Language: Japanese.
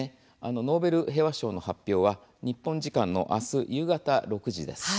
ノーベル平和賞の発表は日本時間のあす夕方６時です。